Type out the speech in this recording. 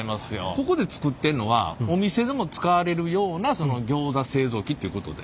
ここで作ってんのはお店でも使われるようなギョーザ製造機っていうことで。